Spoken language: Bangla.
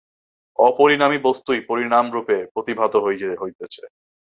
অপরিণামী বস্তুই পরিণামরূপে প্রতিভাত হইতেছে।